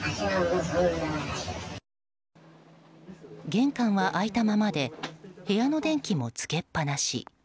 玄関は開いたままで部屋の電気も付けっぱなし。